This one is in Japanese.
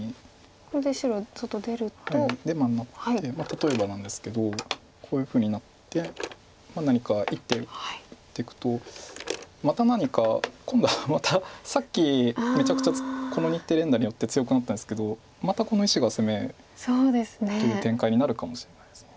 例えばなんですけどこういうふうになって何か１手打っていくとまた何か今度はまたさっきめちゃくちゃこの２手連打によって強くなったんですけどまたこの石が攻め合いという展開になるかもしれないです。